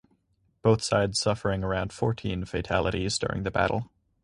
Both sides suffering around fourteen fatalities during the battle.